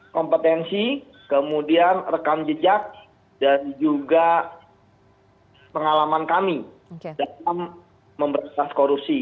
kompetensi kemudian rekam jejak dan juga pengalaman kami dalam memberantas korupsi